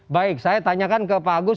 baik saya tanyakan ke pak agus